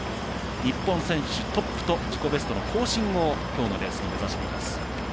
日本選手トップと自己ベストの更新を今日のレースに目指しています。